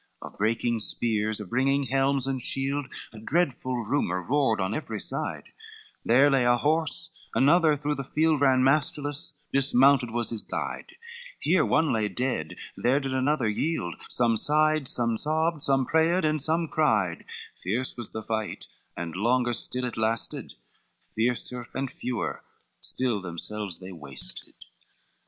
CVI Of breaking spears, of ringing helm and shield, A dreadful rumor roared on every side, There lay a horse, another through the field Ran masterless, dismounted was his guide; Here one lay dead, there did another yield, Some sighed, some sobbed, some prayed, and some cried; Fierce was the fight, and longer still it lasted, Fiercer and fewer, still themselves they wasted.